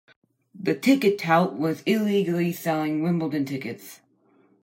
The ticket tout was illegally selling Wimbledon tickets